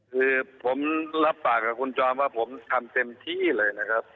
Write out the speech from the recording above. คือผมรับปากกับคุณจอมว่าผมทำเต็มที่เลยนะครับ